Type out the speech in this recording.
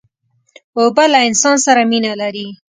اوبه له انسان سره مینه لري.